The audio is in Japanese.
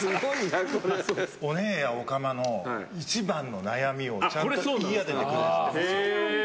オネエやおかまの一番の悩みをちゃんと言い当ててくれてます。